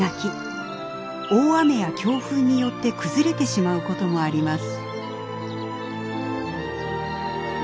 大雨や強風によって崩れてしまうこともあります。